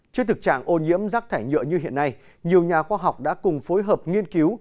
trước thực trạng ô nhiễm rác thải nhựa như hiện nay nhiều nhà khoa học đã cùng phối hợp nghiên cứu